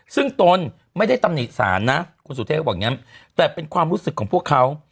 ซึ่งตนไม่ได้ตำหนิสารนะคุณสุเทพก็บอกอย่างนี้แต่เป็นความรู้สึกของพวกเขา